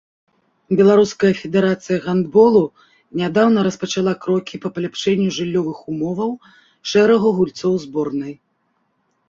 Беларуская федэрацыя гандболу нядаўна распачала крокі па паляпшэнні жыллёвых умоваў шэрагу гульцоў зборнай.